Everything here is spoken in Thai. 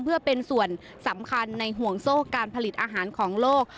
เพื่อเป็นส่วนสำคัญในห่วงโซ่การผลิตอาหารของโลก